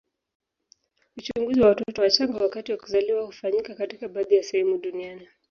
Uchunguzi wa watoto wachanga wakati wa kuzaliwa hufanyika katika baadhi ya sehemu duniani.